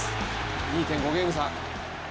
２．５ゲーム差。